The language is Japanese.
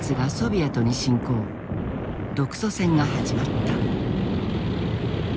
独ソ戦が始まった。